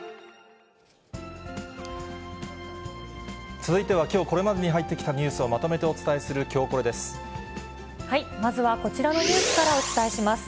続いては、きょうこれまでに入ってきたニュースをまとめてお伝えするきょうまずはこちらのニュースからお伝えします。